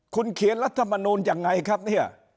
คุณเขียนรัฐมนูลยังไงครับเนี่ย